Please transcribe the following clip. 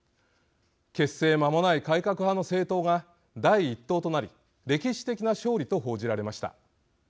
結成まもない改革派の政党が第一党となり歴史的な勝利と報じられました。